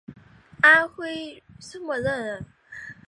安徽歙县人。